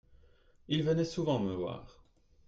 Il venait souvent me voir.